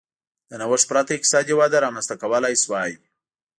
له نوښت پرته اقتصادي وده رامنځته کولای شوای.